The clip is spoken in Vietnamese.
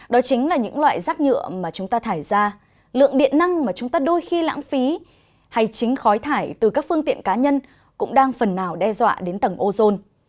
đó chính là những loại rác nhựa mà chúng ta thải ra lượng điện năng mà chúng ta đôi khi lãng phí hay chính khói thải từ các phương tiện cá nhân cũng đang phần nào đe dọa đến tầng ozone